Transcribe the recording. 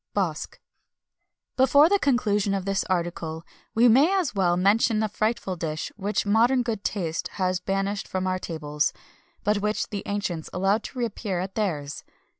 BOSC. Before the conclusion of this article, we may as well mention a frightful fish which modern good taste has banished from our tables, but which the ancients allowed to appear at theirs.